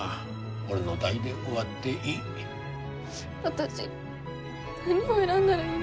私何を選んだらいいの？